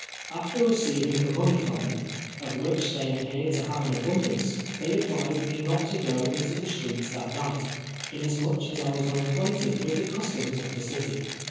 After receiving the money from them, of which tliey appeared to have an abundance, they advised me not to go into the streets that night, inasmuch as I was unac(|uaintedwitli the custijms of the city.